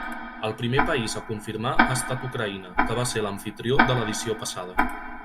El primer país a confirmar ha estat Ucraïna, que va ser l'amfitrió de l'edició passada.